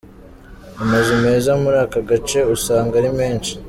Amazu meza muri aka gace usanga ari menshi.